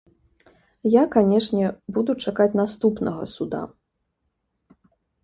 Я, канечне, буду чакаць наступнага суда.